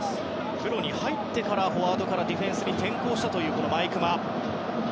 プロに入ってからフォワードからディフェンスに転向した毎熊。